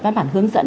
văn bản hướng dẫn